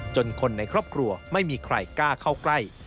คนในครอบครัวไม่มีใครกล้าเข้าใกล้